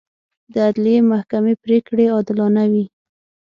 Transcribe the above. د عدلي محکمې پرېکړې عادلانه وي.